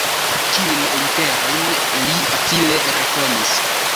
Kiujn literojn li facile rekonis?